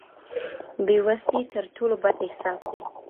بې وسي تر ټولو بد احساس دی.